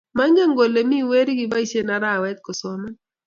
Maingen kole mi weri kiboisie arawee kosoman.